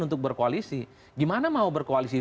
untuk berkoalisi gimana mau berkoalisi